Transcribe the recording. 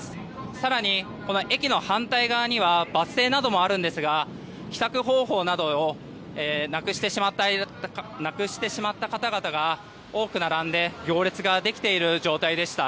更に、この駅の反対側にはバス停などもありますが帰宅方法などをなくしてしまった方々が多く並んで行列ができている状態でした。